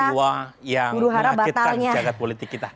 peristiwa yang mengagetkan jaga politik kita